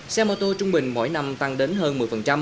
xe mô tô trung bình mỗi năm tăng đến hơn một mươi